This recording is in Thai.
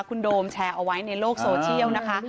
คุณโดมแชร์เอาไว้ในโลกโซเชียลนะคะ